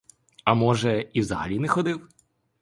А може, і взагалі не ходив?